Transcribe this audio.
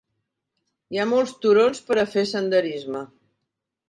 Hi ha molts turons per fer senderisme.